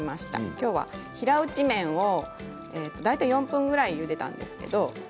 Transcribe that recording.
きょうは平打ち麺を大体４分ぐらいゆでたんですけれど